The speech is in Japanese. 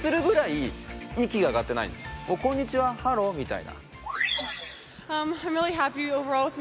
「こんにちはハロー」みたいな。